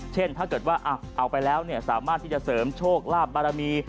ถ้าเกิดว่าเอาไปแล้วสามารถที่จะเสริมโชคลาภบารมี